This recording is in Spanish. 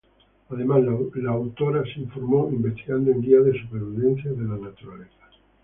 Además, la autora se informó investigando en guías de supervivencia en la naturaleza.